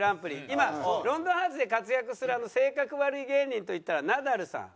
今『ロンドンハーツ』で活躍する性格悪い芸人といったらナダルさん。